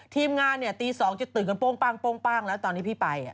ทีมงานตี๒จะตื่นกันโป้งป้างแล้วตอนที่พี่ไป